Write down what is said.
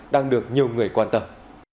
đang được nhiều người quan tâm